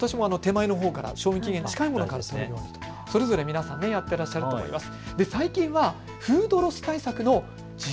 私も手前のほうから、賞味期限の近いものから、それぞれ皆さんやってらっしゃると思います。